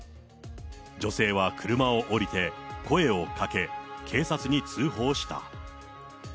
女性は車を降りて声をかけ、警察に通報した。